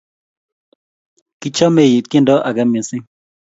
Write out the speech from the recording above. kichomei tiendo age mising'